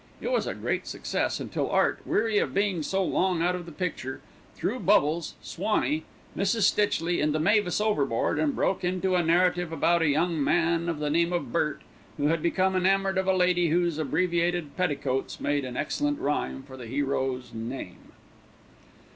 It was a great success until Art, weary of being so long out of the picture, threw "Bubbles," "Swanee," Mrs. Stitchley and the mavis overboard, and broke into a narrative about a young man of the name of Bert, who had become enamoured of a lady whose abbreviated petticoats made an excellent rhyme for the hero's name.